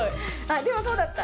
でも、そうだった！